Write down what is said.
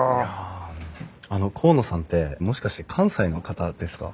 あの河野さんってもしかして関西の方ですか？